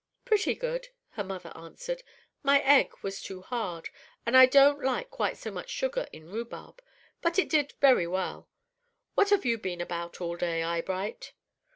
"Pretty good," her mother answered; "my egg was too hard, and I don't like quite so much sugar in rhubarb, but it did very well. What have you been about all day, Eyebright?"